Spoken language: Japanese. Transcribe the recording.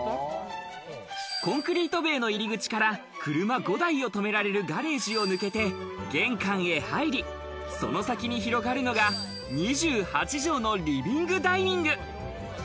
コンクリート塀の入り口から車５台を停められるガレージを抜けて、玄関へ入り、その先に広がるのが２８畳のリビングダイニング。